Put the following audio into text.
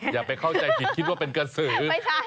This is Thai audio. อย่าไปเข้าใจผิดคิดว่าเป็นกระสือ